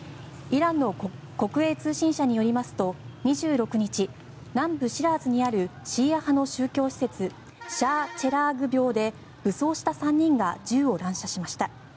イランの国営通信社によりますと２６日南部シラーズにあるシーア派の宗教施設シャー・チェラーグ廟で武装した３人が銃を乱射しました。